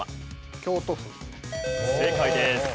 正解です。